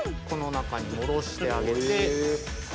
この中に下ろしてあげて。